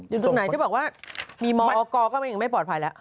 อยู่ตรงไหนที่บอกว่ามีมกก็ไม่ปลอดภัยแล้ว